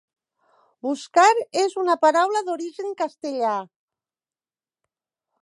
"Buscar" és una paraula d'origen castellà.